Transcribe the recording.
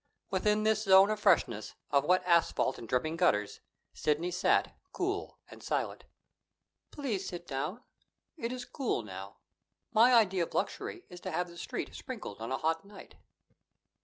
Within this zone of freshness, of wet asphalt and dripping gutters, Sidney sat, cool and silent. "Please sit down. It is cool now. My idea of luxury is to have the Street sprinkled on a hot night."